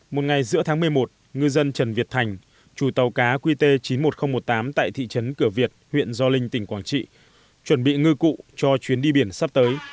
một ngày giữa tháng một mươi một ngư dân trần việt thành chủ tàu cá qt chín mươi một nghìn một mươi tám tại thị trấn cửa việt huyện gio linh tỉnh quảng trị chuẩn bị ngư cụ cho chuyến đi biển sắp tới